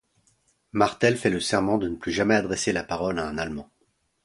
Martel fait le serment de ne plus jamais adresser la parole à un Allemand.